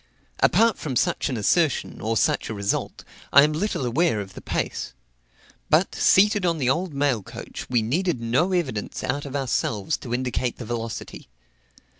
Apart from such an assertion, or such a result, I am little aware of the pace. But, seated on the old mail coach, we needed no evidence out of ourselves to indicate the velocity.